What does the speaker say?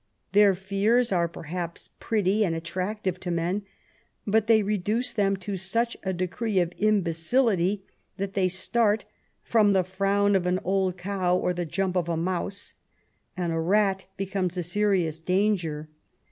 Their fears are perhaps pretty and at tractive to men, but they reduce them to such a degree of imbecility that they will start from the frown of an old cow or the jump of a mouse,'' and a rat becomes a serious danger.